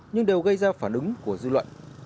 nhưng đều gây ra phản ứng của dư luận